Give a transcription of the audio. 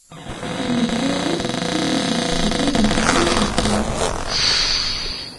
Kkren-d ɣur-i wid i d-ittcehhiden fell-i s ẓẓur.